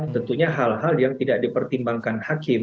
tentunya hal hal yang tidak dipertimbangkan hakim